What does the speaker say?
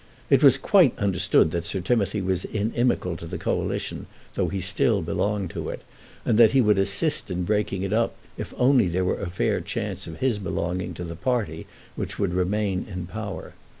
It was quite understood that Sir Timothy was inimical to the Coalition though he still belonged to it, and that he would assist in breaking it up if only there were a fair chance of his belonging to the party which would remain in power.